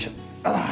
ああ。